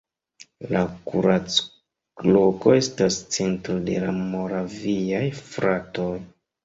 La Kuracloko estas centro de la Moraviaj fratoj.